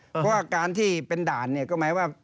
เพราะว่าการที่เป็นด่านเนี่ยก็หมายว่า